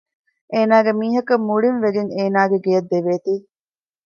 އޭނާގެ މީހަކަށް މުޅީންވެގެން އޭނާގެ ގެއަށް ދެވޭތީ